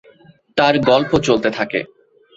তার গল্প চলতে থাকে।